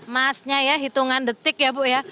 masnya ya hitungan detik ya bu ya